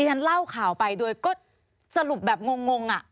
ฉันเล่าข่าวไปโดยก็สรุปแบบงงอ่ะ